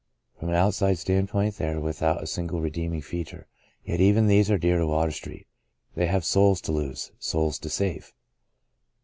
From an outside standpoint they are with out a single redeeming feature. Yet even these are dear to Water Street — they have souls to lose — souls to save.